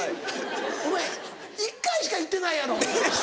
お前１回しか行ってないやろ！